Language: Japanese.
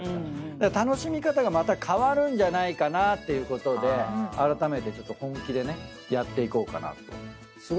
だから楽しみ方がまた変わるんじゃないかなっていうことであらためてちょっと本気でねやっていこうかなと。